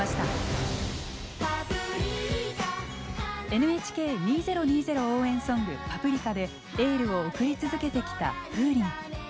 ＮＨＫ２０２０応援ソング「パプリカ」でエールを送り続けてきたＦｏｏｒｉｎ。